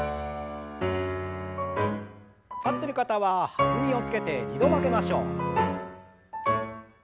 立ってる方は弾みをつけて２度曲げましょう。